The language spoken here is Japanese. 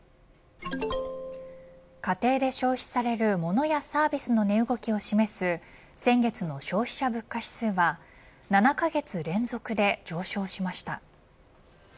家庭で消費される物やサービスの値動きを示す先月の消費者物価指数は７カ月連続で上昇しました。